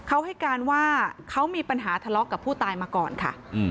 เขาให้การว่าเขามีปัญหาทะเลาะกับผู้ตายมาก่อนค่ะ